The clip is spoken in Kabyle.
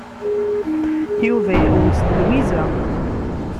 Yuba iḥewwes d Lwiza.